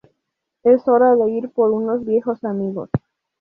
Es hora de ir por unos viejos amigos".